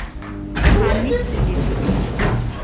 Ɛennit fell-i.